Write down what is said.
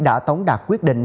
đã tống đạt quyết định